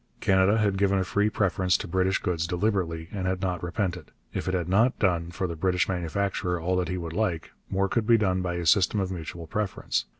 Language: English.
Canada had given a free preference to British goods deliberately, and had not repented. If it had not done for the British manufacturer all that he would like, more could be done by a system of mutual preference.